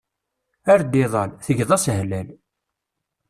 Ar d-ilal, tgeḍ-as hlal.